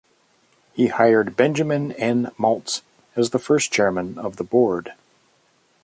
He hired Benjamin N. Maltz as the first Chairman of the Board.